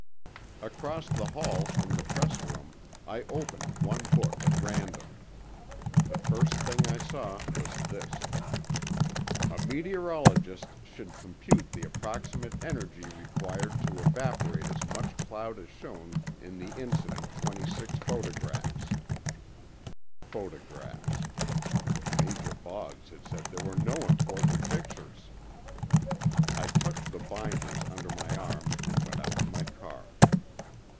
Across the hall, in the press room, I opened one book at random. The first thing I saw was this: "A meteorologist should compute the approximate energy required to evaporate as much cloud as shown in the incident 26 photographs." Photographs. Major Boggs had said there were no important pictures. I tucked the binders under my arm and went out to my car.